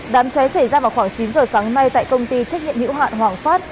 đám cháy xảy ra vào khoảng chín giờ sáng nay tại công ty trách nhiệm hữu hạn hoàng phát